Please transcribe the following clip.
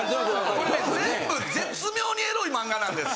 これね全部絶妙にエロい漫画なんです。